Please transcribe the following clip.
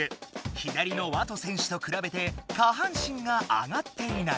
左のＷＡＴＯ選手とくらべて下半身が上がっていない。